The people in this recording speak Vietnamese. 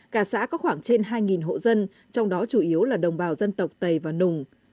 cả xã có khoảng trên hai hộ dân trong đó chủ yếu là đồng bào dân tộc tây và nùng